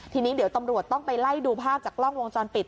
ทีนี้เดี๋ยวตำรวจต้องไปไล่ดูภาพจากกล้องวงจรปิด